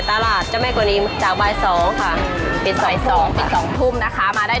พอ๑๐บาทเรียกกลับคืนมา๑๐บาทก็ได้